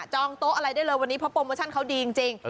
โต๊ะอะไรได้เลยวันนี้เพราะโปรโมชั่นเขาดีจริง